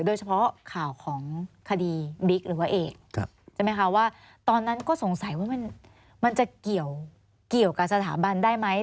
โดยเฉพาะข่าวของคดีบิ๊กหรือว่าเอกใช่ไหมคะว่าตอนนั้นก็สงสัยว่ามันจะเกี่ยวกับสถาบันได้ไหม